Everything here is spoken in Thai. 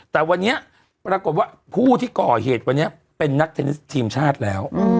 แต่วันนี้ปรากฏว่าผู้ที่ก่อเหตุวันนี้เป็นนักเทนนิสทีมชาติแล้ว